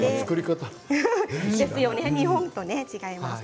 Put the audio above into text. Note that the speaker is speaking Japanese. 日本と違いますね。